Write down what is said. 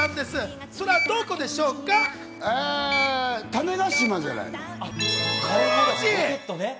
種子島じゃないの？